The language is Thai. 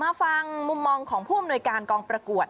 ฟังมุมมองของผู้อำนวยการกองประกวด